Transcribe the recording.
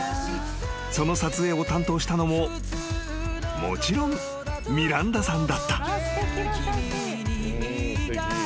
［その撮影を担当したのももちろんミランダさんだった］